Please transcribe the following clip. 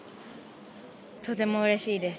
とてもうれしいです。